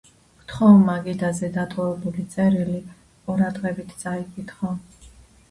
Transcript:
გთხოვ, მაგიდაზე დატოვებული წერილი ყურადღებით წაიკითხო.